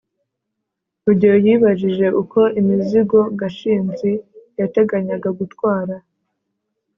rugeyo yibajije uko imizigo gashinzi yateganyaga gutwara